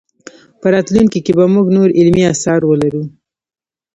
په راتلونکي کې به موږ نور علمي اثار ولرو.